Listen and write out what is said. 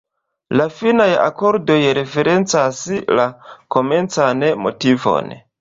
La finaj akordoj referencas la komencan motivon.